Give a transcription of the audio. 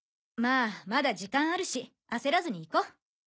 まあまだ時間あるし焦らずにいこ。